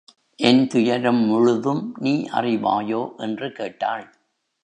என் துயரம் முழுதும் நீ அறிவாயோ! என்று கேட்டாள்.